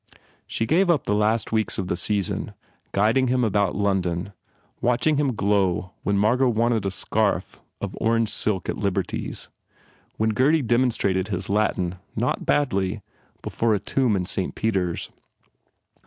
She gave up the last weeks of the season, guiding him about London, watching him glow when Margot wanted a scarf of orange silk in Liberty s, when Gurdy demonstrated his Latin, not badly, before a tomb in Saint Paul s.